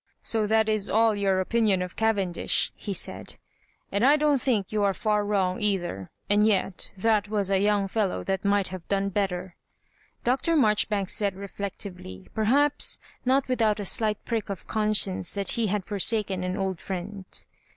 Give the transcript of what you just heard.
" So that is all your opinion of Cavendish," he said; "and I don't think you are far wrong either; and yet that was a young fellow that might have done better," Dr. Marjoribanks said reflectively, perhaps not without a slight prick of conscience that he had forsaken an old friend.